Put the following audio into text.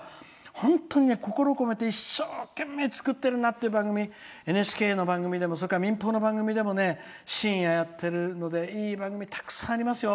本当に心を込めて一生懸命作ってるなって番組ＮＨＫの番組でも民放の番組でもね深夜やってるのでいい番組たくさんありますよ。